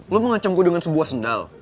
lo mau ancam gue dengan sebuah sendal